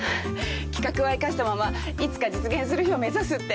企画は生かしたままいつか実現する日を目指すって。